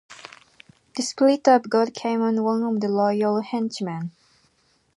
The spirit of God came on one of the royal henchmen.